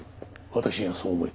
私にはそう思えた。